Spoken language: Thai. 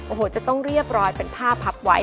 โอ้โหจะต้องเรียบร้อยเป็นผ้าพับไว้